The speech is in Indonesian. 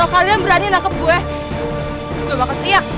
lalu kalau kalian berani nafep gue gue bakalan teriak